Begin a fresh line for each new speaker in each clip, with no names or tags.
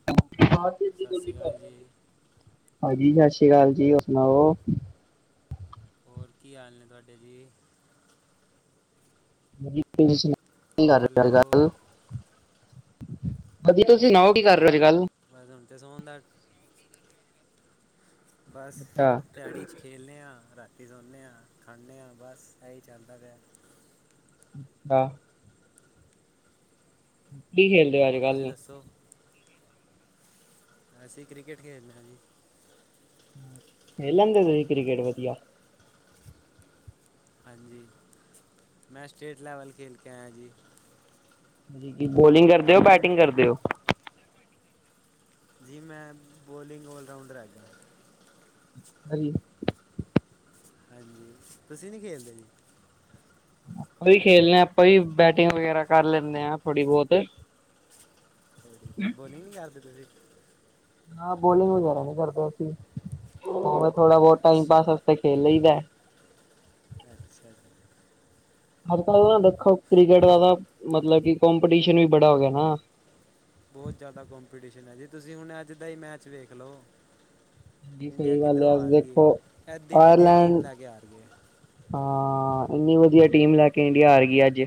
ਰ
ਸਤਿ ਸ਼੍ਰੀ ਅਕਾਲ ਜੀ
ਹਾਂਜੀ ਸਤਿ ਸ਼੍ਰੀ ਅਕਾਲ ਜੀ ਹੋ ਸੁਣਾਓ
ਹੋਰ ਕੀ ਹਾਲ ਨੇ ਤੁਹਾਡੇ ਜੀ
ਤੁ ਸੁ ਕਰ
ਹੈਲੋ
ਰਿ ਗੱਲ ਹਾਂਜੀ ਤੁਸੀਂ ਸੁਣਾਓ ਕੀ ਕਰ ਰਹੇ ਹੋ ਅੱਜ ਕੱਲ
ਪਰ ਰੁਣ ਤੇ ਸੋਣਦਾ ਬਸ
ਅੱਛਾ
ਦਿਹਾੜੀ ਚ ਖੇਲਦੇ ਆ, ਰਾਤੀਂ ਸੋਣੇ ਆ, ਖਾਂਦੇ ਆ ਬਸ ਇਹੀ ਚਾਹੀਦਾ ਪਿਆ।
ਅੱਛਾ ਖੇਲਦੇ ਹੋ ਅੱਜ
ਹੋਰ
ਕੱਲ
ਤੁਸੀਂ
ਨੂੰ
ਦੱਸੋ ਅਸੀਂ ਕ੍ਰਿਕਟ ਖੇਡਣਾ ਜੀ।
ਇਹ ਲਦੇ ਤੁਸੀਂ ਕ੍ਰਿਕਕੇਟ ਵਧੀਆ।
ਹਾਂਜੀ ਮੈਂ ਸਟੇਟ ਲੈਵਲ ਖੇਡ ਕੇ ਆਇਆ ਜੀ।
ਕਿ ਬੋਲਿੰਗ ਕਰਦੇ ਹੋ, ਬੈਟਿੰਗ ਕਰਦੇ ਹੋ।
ਜੀ ਮੈਂ ਬੋਲਿੰਗ ਲਰਾਊਂਡਰ ਹੈਗਾ
ਹਜੀ
ਹਾਂਜੀ ਤੁਸੀਂ ਨੀ ਖੇਲਦੇ ਜੀ
ਆਪਾਂ ਵੀ ਖੇਲਦੇ ਹਾਂ, ਆਪਾਂ ਵੀ ਬੈਟਿੰਗ ਵਗੈਰਾ ਕਰ ਲੈਂਦੇ ਹਾਂ ਥੋੜ੍ਹੀ ਬਹੁਤ
ਤੁਹਾਡੀ ਬੋਲਿੰਗ ਨੀ ਕਰਦੇ ਤੁਸੀਂ
ਹਾਂ ਬੋਲਿੰਗ ਵਗੈਰਾ ਨਹੀਂ ਕਰਦੇ, ਅਸੀਂ ਉਹਵੇੈਂ ਥੋੜਾ ਬਹੁਤ ਟਾਈਮ
ਅੱਛਾ
ਪਾਸ ਵਸਤੇ ਖੇਲ ਲਈ ਦਾ
ਅੱਛਾ ਜੀ।
ਹੱਕ ਨਾ ਦੇਖੋ ਕ੍ਰਿਕਟ ਦਾ ਤਾਂ ਮਤਲਬ ਕਿ ਕਪੀਟੀਸ਼ਨ ਵੀ ਬੜਾ ਹੋ ਗਿਆ ਨਾ।
ਬਹੁਤ ਜ਼ਿਆਦਾ ਕੰਪੀਟੀਸ਼ਨ ਐ ਜੀ, ਤੁਸੀਂ ਹੁਣ ਅੱਜ ਦਾ ਹੀ ਮੈਚ ਵੇਖ ਲਓ।
ਹਾਂਜੀ
ਇੰਡੀਆ
ਸਹੀ ਗੱਲ ਹੈ
ਕਿੱਧਰੋਂ ਆ
ਅੱਜ
ਰਹੀ ਐ, ਏਦੀ ਵੱਡੀਆਂ ਟੀਮ
ਆਇਰਲੈਂਡ
ਲੈ ਕੇ ਆ ਰਹੀ ਏ।
ਹਾਂ ਇੰਨੀ ਵਧੀਆ ਟੀਮ ਲੈ ਕੇ ਇੰਡੀਆ ਹਾਰ ਗਈ ਅੱਜ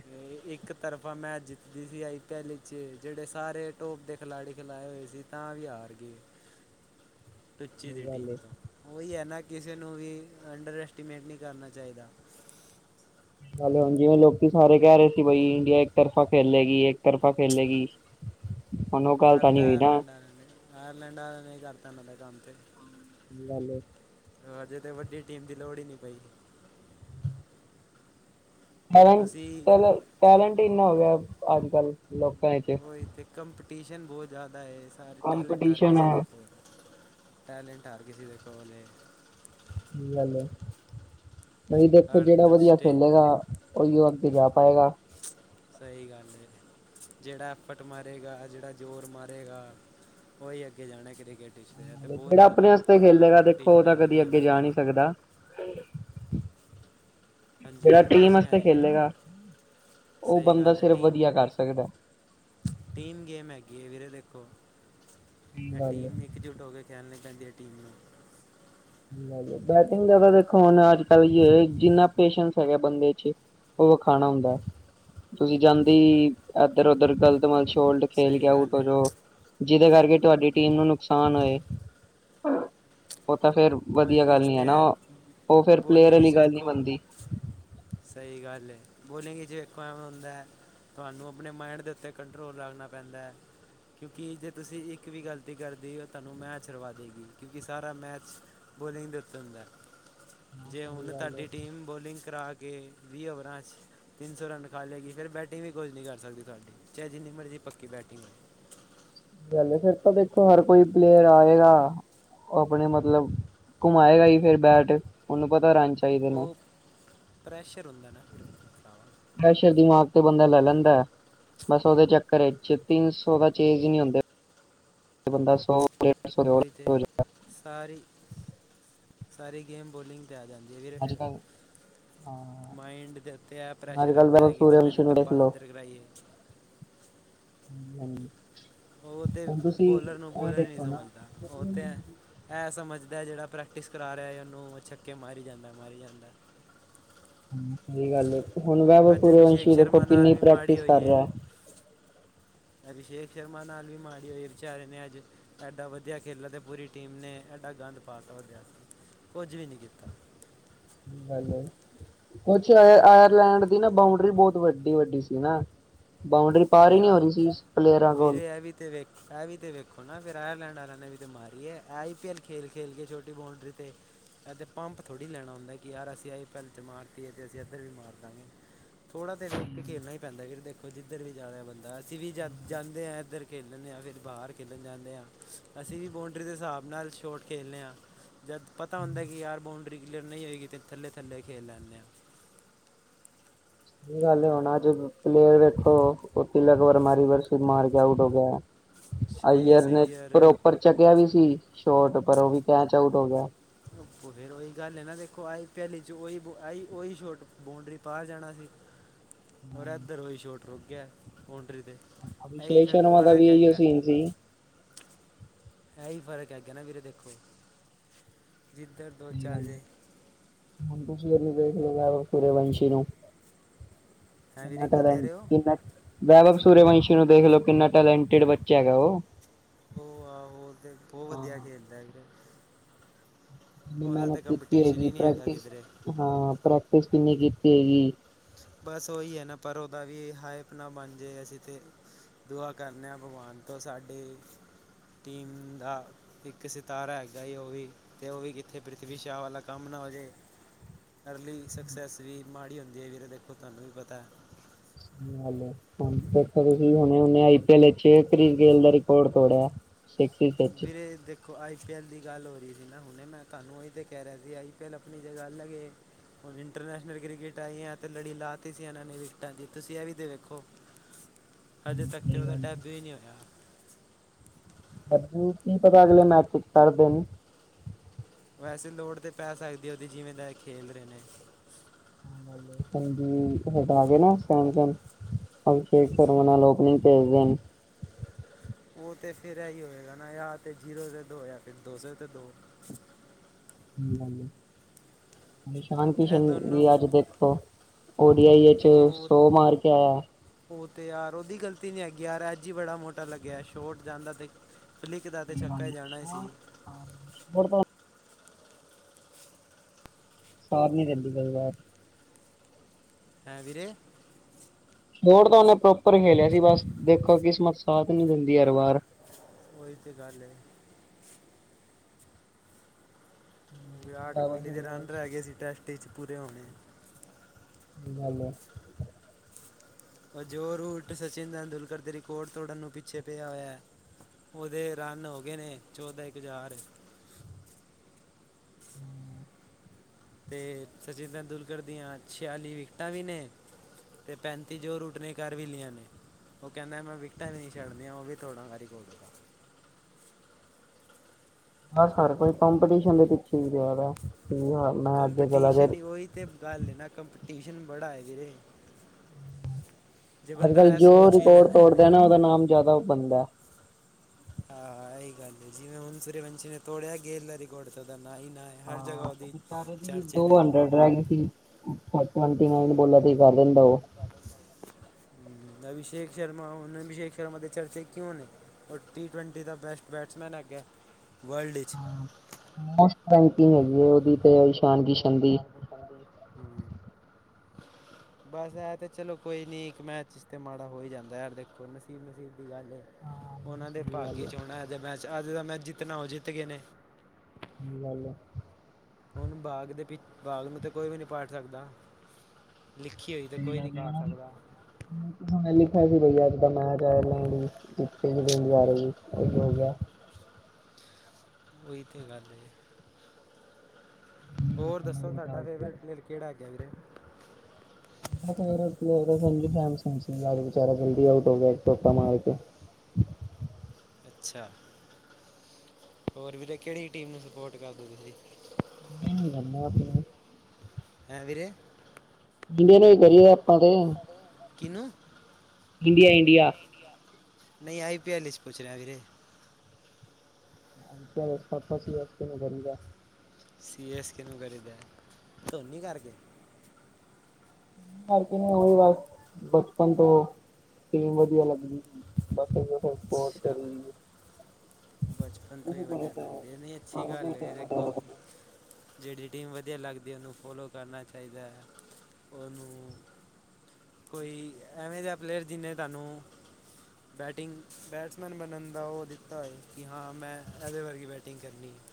ਇੱਕ ਤਰਫਾ ਮੈਂਚ ਜਿੱਤਦੀ ਸੀ ਆਈ ਪੀ ਐੱਲ ਵਿੱਚ ਜਿਹੜੇ ਸਾਰੇ ਟੋਪ ਦੇ ਖਿਲਾੜੀ ਖਿਲਾਏ ਹੋਏ ਸੀ। ਤਾਂ ਹੀ ਹਾਰ ਗਈ।
[inaudible]
ਟੁਚੀ ਦੀ
ਸਹੀ ਗੱਲ
ਟੀਮ,
ਏ।
ਉਹੀ ਐ ਨਾ ਕਿਸੇ ਨੂੰ ਵੀ ਅੰਡਰ ਐਸਟੀਮੇਟ ਨੀ ਕਰਨਾ ਚਾਹੀਦਾ।
ਹੋਲੋ ਹੁਣ ਜਿਵੇਂ ਲੋਕੀ ਸਾਰੇ ਕਹਿ ਰਹੇ ਸੀ ਬਾਈ ਇੰਡੀਆ ਇੱਕ ਤਰਫਾ ਖੇਲੇਗੀ, ਇੱਕ ਤਰਫਾ ਖੇਲੇਗੀ। ਹੁਣ ਉਹ ਗੱਲ ਤਾਂ ਨੀ ਰਹੀ ਨਾ।
ਹਾਂਜੀ। ਆਇਰਲੈਂਡ ਆਲੇਆ ਨੇ ਹੀ ਕਰਤਾ ਇਹਨਾਂ ਦਾ ਕੰਮ ਤੇ
ਲਾਲੇ।
ਹਜੇ ਤੇ ਵੱਡੀ ਟੀਮ ਦੀ ਲੋੜ ਹੀ ਨਹੀਂ ਪਈ। ਤੁਸੀਂ
ਟੈਟ ਟੈਲਟ ਹੀ ਹੋ ਗਿਆ, ਅੱਜ ਕੱਲ ਲੋਕਾਂ ਚ
ਉਹ ਇੱਥੇ ਕੰਪੀਟੀਸ਼ਨ ਬਹੁਤ ਜ਼ਿਆਦਾ ਐ‌ ਸਾਰੇ ਟੈਲੈਂਟ ਹਰ
ਕੰਪੀਟੀਸ਼ਨ
ਕਿਸੇ ਦੇ
ਹੈ।
ਕੋਲ ਟੈਲੈਂਟ ਹਰ ਕਿਸੀ ਦੇ ਕੋਲ ਏ।
ਸਹੀ ਗੱਲ ਐ, ਬਈ ਦੇਖੋ
ਹਰ
ਜਿਹੜਾ ਵਧੀਆ
ਸਟੇਟ
ਖੇਲੇਗਾ। ਉਈ ਯੋ ਅੱਗੇ ਜਾ ਪਾਏਂਗਾ।
ਸਹੀ ਗੱਲ ਏ। ਜਿਹੜਾ ਐਫਟ ਮਾਰੇੇਗਾ, ਜਿਹੜਾ ਜ਼ੋਰ ਮਾਰੇਗਾ ਉਹ ਹੀ ਅੱਗੇ ਜਾਣਾ ਕ੍ਰਿਕਟ ਖਸ਼ਦੇ ਐ ਤੇ ਬਹੁਤ
ਜਿਹੜਾ ਆਪਣੇ
ਜ਼ਿਆਦਾ
ਵਾਸਤੇ ਖੇਲੇਗਾ ਦੇਖੋ ਉਹ
ਕੰਪੀਟੀਸ਼ਨ
ਤਾਂ
ਆਲੀ
ਕਦੀ
ਗੇਮ
ਅੱਗੇ ਜਾ
ਹੈਗੀ ਏ।
ਨਹੀਂ ਸਕਦਾ। ਜਿਹੜਾ
ਹਾਂਜੀ,
ਟੀਮ
ਆਵਾਜ਼ ਨਹੀਂ ਆ
ਵਾਸਤੇ
ਰਹੀ ਜੀ ਤੁਹਾਡੀ।
ਖੇਲੇਗਾ ਉਹ
ਸਹੀ
ਬੰਦਾ
ਗੱਲ ਐ
ਸਿਰਫ
ਟੀਮ
ਵਧੀਆ ਕਰ ਸਕਦਾ।
ਟੀਮ ਗੇਮ ਹੈਗੀ ਐ ਵੀਰੇ ਦੇਖੋ,
ਸਹੀ
ਇਹ
ਗੱਲ ਏ।
ਟੀਮ ਇੱਕ ਜੁੱਟ ਹੋ ਕੇ ਖੇਲਣੀ ਪੈਂਦੀ ਹੈ ਟੀਮ ਨੂੰ
ਬੈਟਿੰਗ ਦਾ ਤਾਂ ਦੇਖੋ ਹੁਣ ਅੱਜ-ਕੱਲ ਜਿੰਨਾ ਪੇਸ਼ੈਂਸ ਹੈਗਾ ਬੰਦੇ ਚ ਉਹ ਵਿਖਾਣਾ ਹੁੰਦਾ। ਤੁਸੀਂ ਜਾਂਦੀ ਇੱਧਰ-ਉੱਧਰ ਗਲਤ ਮਲਤ ਸ਼ੋਲਡ ਖੇਲ
ਸਹੀ
ਕੇ ਆਊਟ
ਗੱਲ
ਹੋ
ਹੈ
ਜਾਓ, ਜਿਹਦੇ ਕਰਕੇ ਤੁਹਾਡੀ ਟੀਮ ਨੂੰ ਨੁਕਸਾਨ ਹੋਏ। ਉਹ ਤਾਂ ਫੇਰ ਵਧੀਆ
ਬੋਲਿੰਗ
ਗੱਲ
ਵਿੱਚ
ਨੀ
ਤਾਂ
ਹੈ ਨਾ
ਏ,
ਉਹ ਫੇਰ ਪਲੇਅਰ
ਬੋਲਿੰਗ ਵਿੱਚ
ਵਾਲੀ ਗੱਲ ਨੀ
ਵੇਖੋ
ਬਣਦੀ
ਸਹੀ ਗੱਲ ਐ, ਬੋਲਿੰਗ ਵਿੱਚ [unintelligible] ਤੁਹਾਨੂੰ ਆਪਣੇ ਮਾਇਂਡ ਦੇ ਉੱਤੇ ਕੰਟਰੋਲ ਰੱਖਣ ਪੈਂਦਾ ਐ। ਕਿਉਂਕਿ ਜੇ ਤੁਸੀਂ ਇੱਕ ਵੀ ਗਲਤੀ ਕਰਦੇ ਉਹ ਤੁਹਾਨੂੰ ਮੈਚ ਹਰਵਾ ਦੇਗੀ ਕਿਉਂਕਿ ਸਾਰਾ ਮੈਚ ਬੋਲਿੰਗ ਦੇ ਉੱਤੇ ਹੁੰਦਾ,
ਹਾਂ
ਜੇ
ਸਹੀ
ਹੁਨ
ਗੱਲ ਹੈ
ਤੁਹਾਡੀ ਟੀਮ, ਬੋਲਿੰਗ ਕਰਾ ਕੇ ਵਹੀਂ ਓਵਰਾਂ ਚ ਤਿੰਨ ਸੋ ਰਨ ਕਰ ਲੈਗੀ, ਫੇਰ ਬੈਟਿੰਗ ਵੀ ਕੁਜ ਨੀ ਕਰ ਸਕਦੀ ਤੁਹਾਡੀ, ਚਾਹੇ ਜਿੰਨੀ ਮਰਜੀ ਪੱਕੀ ਬੈਟਿੰਗ, ਹੋਏ
ਹਾਲੇ ਫੇਰ ਤੋਂ, ਦੇਖੋ ਹਰ ਕੋਈ ਪਲੇਅਰ ਆਵੇਗਾ। ਓ ਆਪਣੇ ਮਤਲਬ, ਘੁਮਾਏਗਾ ਈ ਫੇਰ ਬੈਟ, ਓਨੂੰ ਪਤਾ ਰੰਨਚ
ਓ, ਪ੍ਰੈਸ਼ਰ ਹੁੰਦਾ ਏ ਨਾ ਫਿਰ ਤਾਂ
ਪ੍ਰੈਸ਼ਰ ਦੀਮਾਗ ਤੇ ਬੰਦਾ ਲੈ ਲੈਂਦਾ। ਬਸ ਓਦੇ ਚੱਕਰ ਚ ਤਿੰਨ ਸੋ ਦਾ ਚੇਜ ਨੀ ਹੁੰਦੇ, ਬੰਦਾ ਸੌ ਡੇਢ ਸੌ ਹੋਰ
ਓਈ ਤੇ
ਹੋ ਜਾ
ਸਾਰੀ, ਸਾਰੀ ਗੇਮ ਬੋਲਿੰਗ ਤੇ ਆ ਜਾਂਦੀ ਐ ਵੀਰੇ
ਅੱਜ
ਫੇਰ।
ਕੱਲ ਹਾਂ
ਮਾਇੰਡ ਦੇ ਉੱਤੇ ਐ
ਅੱਜ
ਪ੍ਰੈਸ਼ਰ
ਕੱਲ ਤਾਂ
ਰੈਂਦਾ ਕਿ ਬੰਦੇ
ਸੂਰਯਵੰਸ਼ੀ
ਨੂੰ
ਦੇਖ
ਟੱਪਾ
ਲੋ
ਕਿੱਦਰ ਕਰਾਈਏ।
[unintelligible]
ਓ ਤੇ
ਹੁਣ ਤੁਸੀਂ
ਬੋਲਰ ਨੂੰ
ਐਵੇਂ
ਬੋਲਰ ਨੀ
ਦੇਖੋ ਨਾ
ਸਮਝਦਾ, ਓ ਤੈ ਏ ਐ ਸਮਝਦਾ ਜਿਹੜਾ ਪ੍ਰੈਕਟਿਸ ਕਰਾ ਰੇਆ ਓਨੂੰ, ਛੱਕੇ ਮਾਰੀ ਜਾਂਦਾ, ਮਾਰੀ ਜਾਂਦਾ।
ਹੂੰ, ਸਈ ਗੱਲ ਏ, ਹੁਣ ਵੈਭਵ
ਅੱਜ ਅਭਿਸ਼ੇਕ
ਸੂਰੇਵੰਸ਼ੀ ਦੇਖੋ
ਸ਼ਰਮਾ ਨਾਲ
ਕਿੰਨੀ
ਵੀ ਮਾੜੀ
ਪ੍ਰੈਕਟਿਸ ਕਰ
ਹੋਈ ਹੈ
ਰਿਹਾ।
ਅਭਿਸ਼ੇਕ ਸ਼ਰਮਾ ਨਾਲ ਵੀ ਮਾੜੀ ਹੋਈ ਵਿਚਾਰੇ ਨੇ ਅੱਜ ਐਡਾ ਵਦੀਆ ਖੇਲਾ, ਤੇ ਪੂਰੀ ਟੀਮ ਨੇ ਐਡਾ ਗੰਦ ਪਾ ਤਾ, ਕੁੱਝ ਵੀ ਨਈ ਕੀਤਾ।
ਕੁਛ ਆਇਰਿਲੈਂਡ, ਦੀ ਨਾ ਬਾਊਂਡਰੀ, ਬਹੁਤ ਵੱਡੀ ਵੱਡੀ ਸੀ ਨਾ। ਬਾਊਂਡਰੀ, ਪਾਰ ਈ ਨੀ ਹੋ ਰਹੀ ਸੀ, ਪਲੇਰਾਂ ਕੋਲ।
ਐਵੀ ਤੇ ਵੇ ਐ ਵੀ ਤੇ ਵੇਖੋ ਨਾ, ਫੇਰ ਆਇਰਲੈਂਡ ਵਾਲਿਆਂ ਨੇ ਵੀ ਤੇ ਮਾਰੀ ਏ, ਆਈ ਖੇਲ--ਖੇਲ ਕੇ ਛੋਟੀ ਬਾਊਂਡਰੀ ਤੇ ਐਦੇ ਪੰਪ, ਥੋੜੀ ਲੈਣਾ ਹੁੰਦਾ ਕਿ ਯਾਰ, ਅਸੀਂ ਆਈ ਪੈਲ ਚ ਮਾਰਕੇ, ਤੇ ਅਸੀਂ ਏਦਰ ਵੀ ਮਾਰਦਾਗੇਂ। ਥੋੜਾ ਤੇ
ਸਹੀ
ਫਿਰ,
ਗੱਲ
ਖੇਲਣਾ
ਸਹੀ
ਪੈਦਾ ਦੇਖੋ ਜੀ ਏਧਰ ਜਾਰਿਆ ਬੰਦਾ, ਅਸੀਂ ਵੀ
ਗੱਲ।
ਜਾਂਦੇ ਆ, ਐਦਰ ਖੇਲਣ ਜਾਂਦੇ ਆ ਜਾ ਫ਼ਿਰ ਬਾਹਰ, ਖੇਲਣ ਜਾਂਨੇ ਆਂ ਅਸੀਂ ਵੀ ਬੋਂਡਰੀ, ਦੇ ਹਿਸਾਬ ਨਾਲ ਸ਼ੋਟ ਖੇਲਨੇ ਆਂ ਜਦ ਪਤਾ ਹੁੰਦਾ, ਕਿ ਯਾਰ ਬੋਂਡਰੀ ਕਲੀਅਰ ਨਈ ਹੋਏਗੀ, ਤੇ ਥੱਲੇ--ਥੱਲੇ ਖੇਲ ਲੈਂਨੇ ਆਂ
ਏ ਹਾਲੇ ਹੋਣਾ ਸੀ, ਪਲੇਅਰ ਵੇਖੋ ਓ ਤੀਲਕ ਵਰਮਾ, ਰੀਵਰਸ ਮਾਰ ਕੇ ਆਊਟ, ਹੋ ਗਏ ਐ
ਸਟੇ
ਅਈਅਰ ਨੇ,
ਸਹੀ ਯਾਰ
ਪ੍ਰੋਪਰ ਚੱਕਿਆ ਵੀ ਸੀ ਸ਼ੋਟ, ਪਰ ਓ ਵੀ ਕੈਂਚ ਆਊਟ ਹੋ, ਗਿਆ
ਫੇਰ ਓਈ ਗੱਲ ਏ ਨਾ ਵੇਖੋ, ਆਈ ਪਹਿਲੀ ਚ ਆਈ ਓਈ ਸੋ਼ਟ, ਬਾਊਂਡਰੀ ਬਾਹਰ ਜਾਣਾ ਸੀ।
[inaudible] [unintelligible]
ਫੇਰ ਏਧਰ ਓਈ ਸ਼ੋਟ, ਰੁੱਕ ਗਿਆ ਬੋਂਡਰੀ ਤੇ, ਐ ਏਹੀ ਫੇਰ ਫਰਕ ਹੈਗਾ
ਹਾਂਜੀ।
ਐ ਈ, ਫਰਕ ਹੈਗੈ ਨਾ ਵੀਰੇ ਵੇਖੋ, ਜਿਧਰ ਜੋ
ਸਹੀ
ਚੱਲ
ਗੱਲ ਏ।
ਜਾਇ
ਹੁਣ ਤੁਸੀਂ, ਏਨੂੰ ਵੇਖ ਲਿਆ, ਸੁਰਯਵੰਸ਼ ਨੂੰ।
ਹਾਂ ਵੀਰੇ
ਕਿਨਾ
ਕੀ
ਡਰ
ਕਹਿ ਰਹੇ ਹੋ
ਕਿਨਾ ਵੈਭਬ, ਸੂਰਯਵੰਸ਼ ਨੂੰ ਵੇਖਲੋ, ਕਿੰਨਾ ਟੈਲੈਂਟੇਡ ਬੱਚਾ, ਹੈਗਾ ਏ ਓ
ਓ ਆਹੋ ਤੇ, ਬਹੁਤ ਵਧੀਆ
ਹਾਂ
ਖੇਲਦਾ ਏ, ਵੀਰੇ
ਏਨਾ
ਉਹਦਾ
ਨੇ
ਤੇ
ਕੀਤੀ
ਕੰਪੀਟੀਸ਼ਨ
ਹੋਏਗੀ,
ਹੀ ਨਹੀਂ ਹੈਗਾ
ਪ੍ਰੈਕਟਿਸ,
ਕਿਧਰੇ
ਹਾਂ ਪ੍ਰੈਕਟਿਸ ਕਿੰਨੀ ਕੀਤੀ ਹੋਏਗੀ
ਬਸ ਓਈ ਐ ਨਾ, ਪਰ ਓਦਾ ਵੀ ਹਾਏ ਇਤਨਾ ਬਨ ਜੇ, ਅਸੀਂ ਤੇ ਦੁਆ ਕਰਨੇ ਆਂ, ਭਗਵਾਨ ਤੋਂ ਸਾਡੇ ਟੀਮ ਦਾ ਇੱਕ ਸਿਤਾਰਾ ਹੈਗਾ ਈ, ਓ ਵੀ ਤੇ ਓ ਵੀ ਕਿੱਥੇ, ਪ੍ਰਿਥਵੀ ਸ਼ਾਹ ਵਾਲਾ ਕੰਮ ਨਾ ਹੋਜੇ ਅਰਲੀ ਸਕਸੈਸ, ਵੀ ਮਾੜੀ ਹੁੰਦੀ ਏ, ਵੀਰੇ ਵੇਖੋ ਤੁਹਾਨੂੰ ਵੀ, ਪਤਾ
ਹੈਲੋ ਹਾਂਜੀ, ਦੇਖੋ ਤੁਸੀਂ ਹੁਣੇ ਹੁਣੇ ਆਈ ਪੀ ਐਲ, ਸ਼ੀ ਤ੍ਰੀ ਗੇਲ੍ ਦਾ ਰਿਕਾੜ ਤੋੜੇਆ
ਵੀਰੇ ਦੇ ਦੇਖੋ ਆਈ ਪੀ ਐੱਲ ਦੀ ਗੱਲ ਹੋ ਰੀ ਸੀ। ਹੁਣੇ ਮੈਂ ਤੁਹਾਨੂੰ ਓਈ ਤਾਂ ਕਹਿ ਰਿਆ ਸੀ। ਆਈ ਪੀ ਐਲ ਅਪਨੀ ਜਗਾ, ਅਲੱਗ ਏ। ਹੁਣ ਇੰਟਰਨੈਸ਼ਨਲ ਕ੍ਰਿਕਟ ਆਈ ਆ, ਅਤੇ ਲੜੀ ਲਾ ਤੀ ਸੀ, ਇਹਨਾ ਨੇ ਵਿਕਟਾ ਦੀ, ਤੁਸੀ ਐ ਵੀ ਤਾਂ ਵੇਖੋ
[inaudible] [unintelligible]
ਅਜੇ ਤੱਕ ਤੇ, ਉਹਦਾ ਟੈਸਟ ਵੀ ਨਹੀ ਹੋਇਆ
ਸਾਨੂੰ ਕੀ ਪਤਾ, ਅਗਲੇ ਮੈਸਿਜ ਪੜ੍ਹਦੇ ਨਈ
ਵੈਸੇ ਲੋੜ ਤੇ, ਪੈ ਸਕਦੀ ਉਹਦੀ ਜਿਵੇ ਦਾ ਏ ਖੇਲ, ਰਹੇ ਨੇ
ਹਾਂਜੀ, ਇਧਰ ਆ ਗਏ ਨਾ ਸੈਨ ਕਰਨ। ਅਭਿਸ਼ੇਕ ਸ਼ਰਮਾ ਨਾਲ ਓਪਨਿਗ ਤੇੇਜ ਦੇਨ।
ਉਹ ਤੇ ਫਿਰ ਇਹੀ ਹੋਏਗਾ ਨਾ ਯ ਤੇ ਜੀਰੋ ਤੇ ਦੋ ਆ ਫਿਰ ਦੋ ਸੋ ਤੇ ਦੋ।
ਹੂੰ, ਨਿਸ਼ਾਨ
ਇਹ
ਕਿਸੑਨ ਜੀ
ਦੋਨੋਂ
ਅੱਜ ਦੇਖੋ ਓ ਡੀ ਆਈ 'ਚ
ਉਹ
ਸੋ ਮਾਰ ਕੇ ਆਇਆ।
ਉਹ ਤੇ ਯਾਰ, ਉਹਦੀ ਗਲਤੀ ਨੀ ਹੈਗੀ, ਯਾਰ ਅਜ ਹੀ ਬੜਾ ਮੋਟਾ ਲਗਿਆ ਸੋਟ, ਜਾਦਾ ਤੇ ਕਦੀ--ਕਦਾ ਤੇ, ਛੱਕਾ ਜਾਣਾ ਹੀ ਸੀ
[unintelligible] [inaudible] ਸਾਥ ਨਈ, ਦੇਂਦੀ ਕਈ ਵਾਰ
ਹੈਂ ਵੀਰੇ?
ਹੁਣ ਤਾਂ ਓਨੇ ਪ੍ਰੋਪਰ ਖੇਲਿਆ ਸੀ, ਬਸ ਵੇਖੋ ਕਿਸਮਤ ਸਾਥ ਨਈ ਦਿਂਦੀ ਹਰ, ਵਾਰ।
ਓਈ, ਤੇ ਗੱਲ ਏ। ਵਿਰਾਟ ਕੋਹਲੀ, ਦੇ ਰਨ ਰਹਿ ਗਏ ਸੀ। ਟੈਸਟ ਵਿਚ ਪੂਰੇ ਹੋਣੇ
ਹੈਲੋ?
ਅਜੋੋਰ ਉਲਟ, ਸਚਿਨ ਦੁਲਕਰ ਦੇ, ਰਿਕਾਰਡ ਤੋੜਨ ਨੂੰ ਪਿਛੇ ਪਿਆ, ਹੋਇਆ ਹੈ। ਉਹਦੇ, ਰਨ ਹੋ ਗਏ ਨੇ, ਚੋਦਾ ਇਕ ਹਜ਼ਾਰ
ਹੂੰ [inaudible]
ਤੇ ਸਚਿਨ ਤੈਂਦੁਲਕਰ ਦੀਆਂ ਛਿਆਲੀ ਵਿਕਟਾ ਵੀ ਨੇ। ਤੇ ਪੈਂਤੀ ਜੋੋਰ ਰੁੱਟਣੇ ਕਰ ਵੀ ਲੀਆ ਨੇ। ਉਹ ਕਹਿਦਾ ਮੈ ਵਿਕਟਾ ਹੀ ਨਹੀ ਛੱਡਦੀਆ ਉਹ ਵੀ ਤੋੜਾਗਾ ਰਿਕਾਰਡ।
ਬਸ, ਹਰ ਕੋਈ ਕੰਪੀਟੀਸ਼ਨ ਦੇ ਪਿਛੇ ਹੀ ਪਿਆ ਰਿਹਾ
ਕੰਪੀਟੀਸ਼ਨ ਹੀ ਉਹਈ ਤਾਂ ਗਲ ਹੈਨਾ ਕ ਕੰਪੀਟੀਸ਼ਨ ਬੜਾ ਹੈ ਵੀਰੇ। ਜੇ
ਅਜ-ਕਲ
ਬੰਦਾ ਇਹ
ਜੋ
ਸੋਚ ਵੀ ਲੈ
ਰਿਕਾਰਡ ਤੋੜਦਾ ਹੈਨਾ ਉਹਦਾ ਨਾਮ ਜਿਆਦਾ ਬਣਦਾ ਹੈ।
ਹਹਾਂ, ਇਹੀ ਗਲ ਹੈ ਜਿਵੇ ਹੁਣ ਸੁਰਯ ਵੰਸ਼ੀ ਨੇ ਤੋੜਿਆ ਗੇਰਲਾ ਰਿਕਾਰਡ ਤੇ ਉਹਦਾ ਨਾ ਹੀ ਨਾ ਹੈ। ਹਰ ਜਗਾ ਉਹਦੇ ਚਰਚੇ ਨੇ।
ਟਵੰਟੀ- ਟਵੰਟੀ ਨਾਈਨ ਬੋਲਾ ਤੇ ਕਰ ਦਿਦਾ ਉਹ
ਹੂੰ, ਅਭਿਸ਼ੇਕ ਸ਼ਰਮਾ ਹੁਣ ਅਭਿਸ਼ੇਕ ਸ਼ਰਮਾ ਦੇ ਚਰਚੇ ਕਿਉ ਨੇ? ਉਹ ਟੀ ਟਵੈਂਟੀ ਦਾ ਬੈਸਟ ਬੈਟਸਮੈਨ ਹੈਗਾ ਵਲਡ ਵਿਚ।
ਮਸਤ ਬੈਟਿੰਗ ਹੈਗੀ ਹੈ ਉਹਦੀ ਤੇ ਇਸ਼ਾਨ ਕਿਸ਼ਨ ਦੀ।
ਕਦ ਹੂੰ
[inaudible]
ਬਸ, ਇਹ ਤਾਂ ਚਲੋ ਕੋਈ ਨਹੀ ਇਕ ਮੈਚ ਚ ਤਾਂਤੇ ਮਾੜਾ ਹੋ ਹੀ ਜਾਦਾ ਯਾਰ ਦੇਖੋ ਨਸੀਬ-ਨਸੀਬ ਦੀ ਗੱਲ ਹੈ।
ਹਾਂ।
ਉਹਨਾਂ ਦੇ
ਸਹੀ
ਭਾਗ
ਗੱਲ ਹੈ,
'ਚ ਹੋਣਾ ਅਜੇ ਮੈਚ ਅਜ ਤਾਂ ਮੈਂਚ ਜਿਤਣਾ ਉਹ ਜਿਤ ਗਏ ਨੇ।
ਲੈ ਲਓ।
ਹੁਣ ਬਾਗ ਦੇ ਬਾਗ ਨੂੰ ਤਾਂ ਕੋਈ ਵੀ ਨੀ ਪਾਟ ਸਕਦਾ--ਸਕਦਾ। ਲਿਖੀ ਹੋੲਈ ਤਾਂ ਕੋਈ ਨਹੀ ਕਾਟ ਸਕਦਾ।
ਹੁਣ ਲਿਖਿਆ ਸੀ ਬਈ ਅਜ ਦਾ ਮੈਚ ਆਇਰਲੈਡ ਵੀ। ਕਿਹੜੀ ਟੀਮ ਇੰਡੀਆ ਆ ਰਹੀ ਉਹੀ ਹੋ ਗਿਆ।
ਉਹੀ ਤੇ ਗਲ ਏ। ਹੋਰ ਦੱਸੋ ਤੁਹਾਡਾ ਫੇਵਰੇਟ ਪਲੇਅਰ ਕੇਢਾ ਹੈੱਗਾ ਵੀਰੇ?
ਮੈਂ ਕਿਹਾ, ਮੇਰਾ ਪਲੇਅਰ ਅੱਜ [unintelligible] ਵਿਚਾਰਾ ਜਲਦੀ ਆਊਟ ਹੋ ਗਿਆ ਚੋਕਾ ਮਾਰ ਕੇ।
ਅਛਾ, ਹੋਰ ਵੀਰੇ ਕਿਹੜੀ ਟੀਮ ਨੂੰ ਸਪੋਟ ਕਰਦੋ ਤੁਸੀ?
ਇੰਡੀਆ ਨੂੰ ਕਰਦਾ ਆਪਣੀ।
ਹੈਂ, ਵੀਰੇ
ਜਿਦੇ ਤੇ ਕਰੀਏ ਆਪਾਂ ਤੇ
ਕਿਨੂ?
India- India.
ਨਹੀਂ, ਆਈ ਪੀ ਐਲ ਇਚ ਪੁੱਛ ਰਿਹਾਅਆ ਵੀਰੇ।
ਸ਼ੋਰਟ ਪ੍ਰੋਪਰਲੀ ਅੱਜ-ਕੱਲ ਕਰੀਦਾ।
ਸੀ ਐਸ ਕਿਹਨੂੰ ਕਰੀ ਦਾ ਧੋਨੀ ਕਰਕੇ
ਮਾਰਕ ਹੋਈ ਬਸ ਬਚਪਨ ਤੋਂ ਟੀਮ ਵਧੀਆ ਲੇ ਬਸ ਸਪੋਰਟ
ਅੱਛਾ
ਕਰੀ।
ਬਚਪਨ ਤੋਂ ਹੀ
ਤੁਸੀਂ ਕਿਹੜੀ
ਵਧੀਆ
ਟੀਮ
ਲੱਗਦੇ, ਇਹ ਨਹੀਂ ਅੱਛੀ
ਤੁਹਾਨੂੰ ਕਿਹੜੀ
ਗੱਲ
ਟੀਮ
ਇਹ
ਵਧੀਆ
ਦੇਖੋ।
ਲੱਗਦੀ
ਜਿਹੜੀ ਟੀਮ ਵਧੀਆ ਲੱਗਦੀ ਹੈ, ਉਹਨੂੰ ਫੋਲੋ ਕਰਨਾ ਚਾਹੀਦਾ ਹੈ ਉਹਨੂੰ ਕੋਈ ਐਵੇਂ ਜਿਹਾ, ਪਲੇਅਰ ਜਿਹਨੇ ਤੁਹਾਨੂੰ ਬੈਟਿੰਗ, ਬੈਟਸਮੈਨ ਬਣਨ ਦਾ ਉਹ ਦਿੱਤਾ ਹੈ ਕਿ ਹਾਂ, ਮੈਂ ਇਹਦੇ ਵਰਗੀ ਬੈਟਿੰਗ ਕਰਨੀ ਹੈ।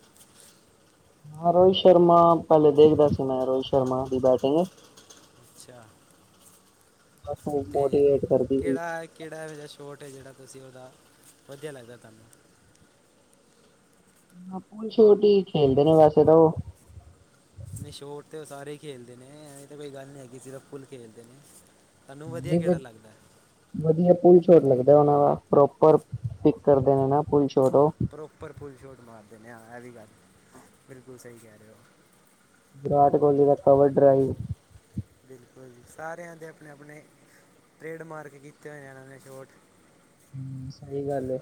ਹਾਂ, ਰੋਹਿਤ ਸ਼ਰਮਾ ਪਹਿਲੇ ਦੇਖਦਾ ਸੀ ਮੈਂ ਰੋਹਿਤ ਸ਼ਰਮਾ ਦੀ ਬੈਟਿੰਗ।
ਅਛਾ।
ਹਸਮੁਖ, ਮੋਟੀਵੇਟ ਕਰਦੀ ਸੀ।
ਕਿਹੜਾ ਕਿਹੜਾ ਇਹੋ ਜਿਹਾ ਸ਼ੋਟ ਹੈ ਜਿਹੜਾ ਤੁਸੀ ਉਹਦਾ ਵਧੀਆ ਲਗਦਾ ਤੁਹਾਨੂੰ?
ਛੋਟੀ ਖੇਲਦੇ ਨੇ ਵੈਸੇ ਤਾਂ ਉਹ।
ਨੀ ਸ਼ੋਰਟ ਤੇ ਉਹ ਸਾਰੇ ਹੀ ਖੇਲਦੇ ਨੇਂ ਇਹ ਤਾਂ ਕੋਈ ਗਲ ਨਹੀ ਹੈਗੀ ਸੀ ਤਾਂ ਫੁੱਲ ਖੇਲਦੇ ਨੇ। ਤੁਹਾਨੂੰ ਵਧੀਆ
ਨਹੀਂ ਬ
ਕਿਹੜਾ ਲੱਗਦਾ
[unintelligible] ਵਧੀਆ ਪੁੂਲ ਸ਼ੋਰਟ ਲੱਗਦਾ ਉਹਨਾਂ ਦਾ ਪ੍ਰੋਪਰ ਪਿਕ ਕਰਦੇ ਨੇ ਨਾ ਪੁੂਲ ਸ਼ੋਰਟ ਉਹ।
ਪ੍ਰੋਪਰ ਪੁੂੱਲ ਸ਼ੋਰਟ ਮਾਰ ਦੇਂਨੇ ਹਾਂ ਇਹ ਵੀ ਗੱਲ ਬਿਲਕੁਲ ਸਹੀ ਕਹਿ ਰਹੇ ਹੋ।
ਵਿਰਾਟ ਕੋਹਲੀ ਦਾ ਕਵਰ ਡਰਾਈਵ,
ਬਿਲਕੁਲ ਜੀ ਸਾਰਿਆਂ ਦੇ ਆਪਣੇ-ਆਪਣੇ ਟ੍ਰੇਡ ਮਾਰਕ ਕੀਤੇ ਹੋਏ, ਜਾਣ ਨੇ ਸ਼ਛੋਟ
ਸਹੀ ਗੱਲ ਐ।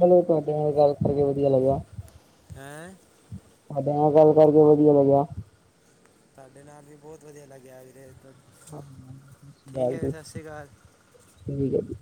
ਚਲੋ, ਤੁਹਾਡੇ ਨਾਲ ਗੱਲ ਕਰਕੇ ਵਧੀਆ ਲੱਗਿਆ।
ਹੈਂ,
ਤੁਹਾਡੇ ਨਾਲ ਗੱਲ ਕਰਕੇ ਵਧੀਆ ਲੱਗਿਆ।
ਸਾਡੇ ਨਾਲ ਵੀ ਬਹੁਤ ਵਧੀਆ ਲੱਗਿਆ ਵੀਰੇ। ਠੀਕ ਹੈ ਜੀ, ਸਤਿ ਸ਼੍ਰੀ ਅਕਾਲ
ਸਹੀ,